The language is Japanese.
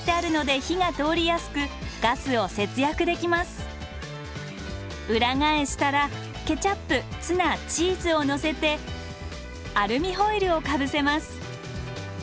薄く削ってあるので裏返したらケチャップツナチーズをのせてアルミホイルをかぶせます。